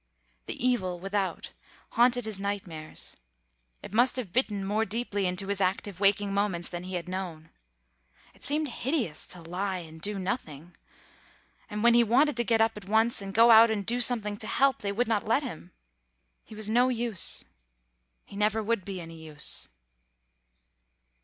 The evil without haunted his nightmares; it must have bitten more deeply into his active waking moments than he had known. It seemed hideous to lie and do nothing. And when he wanted to get up at once and go out and do something to help, they would not let him. He was no use. He never would be any use.